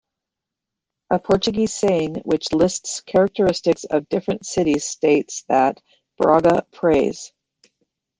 A Portuguese saying which lists characteristics of different cities states that "Braga prays".